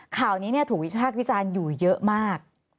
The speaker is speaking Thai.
ข่าวนี้ถูกวิพากษ์วิจารณ์อยู่เยอะมาก